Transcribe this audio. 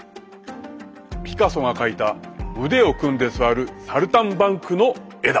ピカソが描いた「腕を組んですわるサルタンバンク」の絵だ。